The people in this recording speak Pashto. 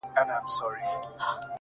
په ټولو کتابو کي دی! انسان مبارک!